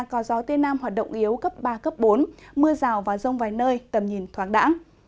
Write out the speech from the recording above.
có gió tây nam hoạt động yếu cấp ba cấp bốn mưa rào và rông vài nơi tầm nhìn thoáng đẳng